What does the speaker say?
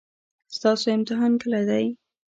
ستاسو امتحان کله دی؟